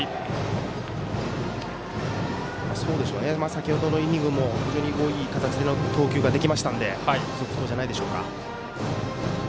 先ほどのイニングも非常にいい形で投球できたので続投じゃないでしょうか。